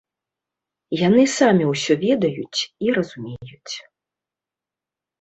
Яны самі ўсё ведаюць і разумеюць.